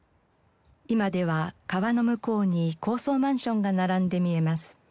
今では川の向こうに高層マンションが並んで見えます。